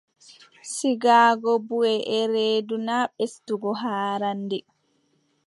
Sigaago buʼe e reedu, naa ɓesdugo haarannde.